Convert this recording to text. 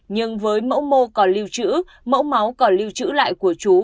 nhưng với mẫu mô còn lưu trữ mẫu máu còn lưu trữ lại của chú